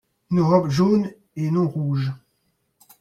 une robe jaune et non rouge.